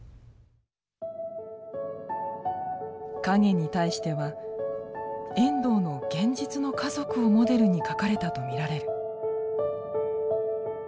「影に対して」は遠藤の現実の家族をモデルに書かれたとみられる。